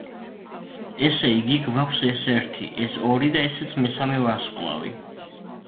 ესე იგი გვაქვს ეს ერთი, ეს ორი, და ესეც მესამე ვარსკვლავი.